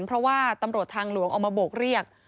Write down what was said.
เพราะว่าตำรวจทางหลวงเอามาโบกเรียก